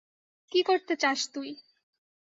কী করতে চাস তুই?